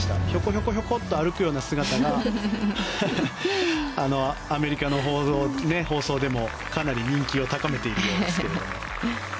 ひょこひょこっと歩くような姿がアメリカの放送でも、かなり人気を高めているようですが。